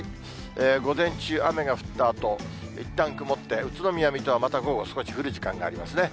午前中、雨が降ったあと、いったん曇って、宇都宮、水戸はまた午後少し降る時間がありますね。